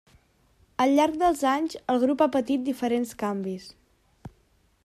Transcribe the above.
Al llarg dels anys el grup ha patit diferents canvis.